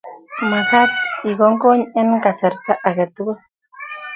Makat ikonygony eng kasarta age tugul